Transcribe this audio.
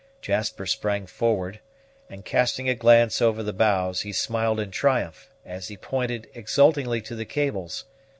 Jasper sprang forward, and, casting a glance over the bows, he smiled in triumph, as he pointed exultingly to the cables.